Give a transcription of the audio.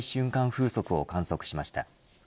風速を観測しました。